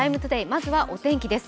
まずはお天気です